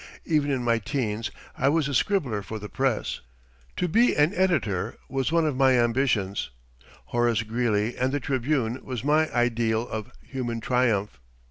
Even in my teens I was a scribbler for the press. To be an editor was one of my ambitions. Horace Greeley and the "Tribune" was my ideal of human triumph.